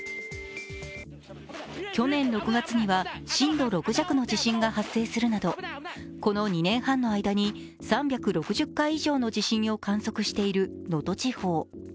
去年６月には震度６弱の地震が発生するなどこの２年半の間に３６０回以上の地震を観測している能登地方。